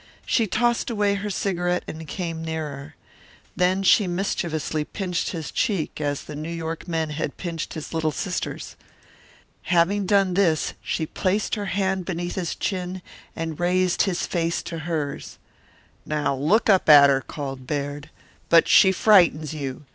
She tossed away her cigarette and came nearer. Then she mischievously pinched his cheek as the New York men had pinched his little sister's. Having done this, she placed her hand beneath his chin and raised his face to hers. "Now look up at her," called Baird. "But she frightens you.